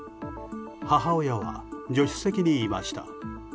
母親は助手席にいました。